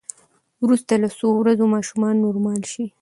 وروسته له څو ورځو ماشومان نورمال شي.